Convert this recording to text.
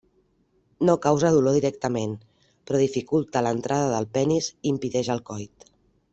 No causa dolor directament, però dificulta l'entrada del penis i impedeix el coit.